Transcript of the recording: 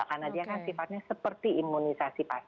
karena dia kan sifatnya seperti imunisasi pasif